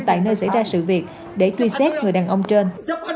tại nơi xảy ra sự việc để truy xét người đàn ông trên